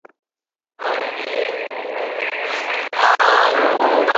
কারণে অকারণে রোগীকে ধমক দেয়ার বাজে অভ্যাসটি এখনো অর্জন করেন নি।